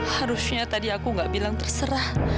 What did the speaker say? harusnya tadi aku gak bilang terserah